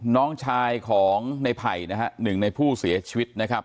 น้องชายของในไผ่นะฮะหนึ่งในผู้เสียชีวิตนะครับ